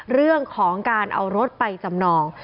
เรื่องของการเอารถไปจำนอง